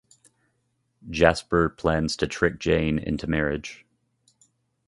Jasper plans to trick Jane into marriage.